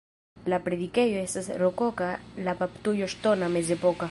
La predikejo estas rokoka, la baptujo ŝtona, mezepoka.